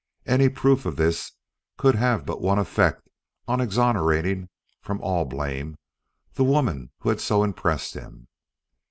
Any proof of this could have but the one effect of exonerating from all blame the woman who had so impressed him.